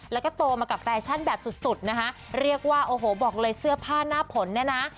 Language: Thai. แล้วก็โตมากับแฟชั่นแบบสุดสุดนะคะเรียกว่าโอ้โหบอกเลยเสื้อผ้าหน้าผลเนี่ยนะ